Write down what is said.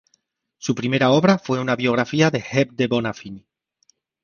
Su primera obra fue una biografía de Hebe de Bonafini.